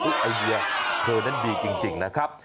ไอเดียเธอนั้นดีจริงนะครับ